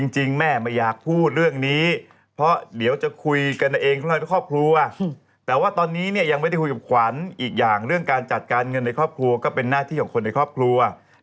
จริงแม่ไม่อยากพูดเรื่องนี้เพราะเดี๋ยวจะคุยกันเองกับครอบครัว